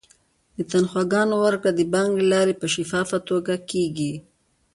د تنخواګانو ورکړه د بانک له لارې په شفافه توګه کیږي.